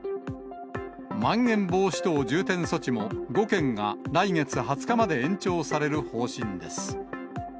まん延防止等重点措置も、５県が来月２０日まで延長される方針です。